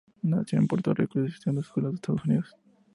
Nació en Puerto Rico y asistió a la escuela en los Estados Unidos.